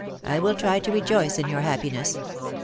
I will try to rejoice in your happiness.